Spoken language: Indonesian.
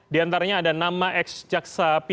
di antaranya ada nama eks jaksa pin